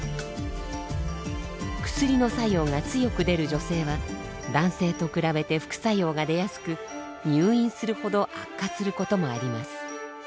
薬の作用が強くでる女性は男性と比べて副作用がでやすく入院するほど悪化することもあります。